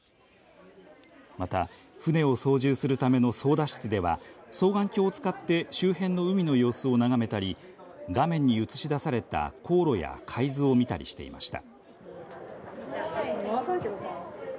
また船を操縦するための操だ室では双眼鏡を使って周辺の海の様子を眺めたり画面に映し出された航路や海図を見たりしていました。